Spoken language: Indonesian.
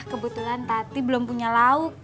kebetulan tati belum punya lauk